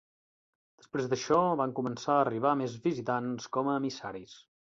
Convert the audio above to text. Després d'això, van començar a arribar més visitants com a emissaris.